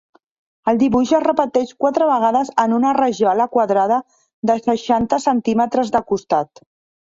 El dibuix es repeteix quatre vegades en una rajola quadrada de seixanta centímetres de costat.